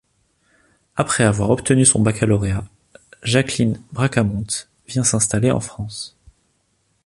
Après avoir obtenu son baccalauréat, Jacqueline Bracamontes vient s'installer en France.